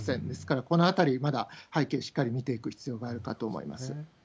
ですから、このあたり、まだ背景しっかり見ていく必要があるかと思います。